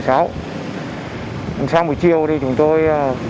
sau buổi chiều chúng tôi